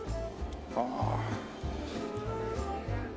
ああ。